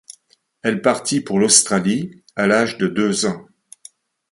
Elle partit pour l'Australie à l'âge de deux ans.